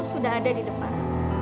sudah ada di depan